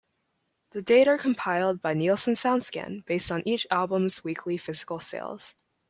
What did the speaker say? The date are compiled by Nielsen Soundscan based on each album's weekly physical sales.